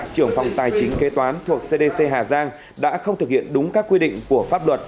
trưởng phòng tài chính kế toán thuộc cdc hà giang đã không thực hiện đúng các quy định của pháp luật